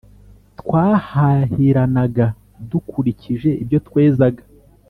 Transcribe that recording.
twahahiranaga dukurikije ibyo twezaga